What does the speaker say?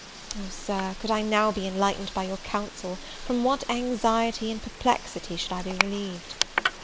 Oh, Sir, could I now be enlightened by your counsel, from what anxiety and perplexity should I be relieved!